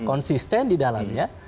konsisten di dalamnya